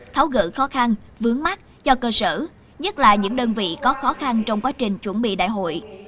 tháo gỡ khó khăn vướng mắt cho cơ sở nhất là những đơn vị có khó khăn trong quá trình chuẩn bị đại hội